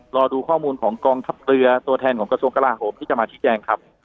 รอดูข้อมูลของกองทัพเรือตัวแทนของกระทรวงกลาโหมที่จะมาชี้แจงครับ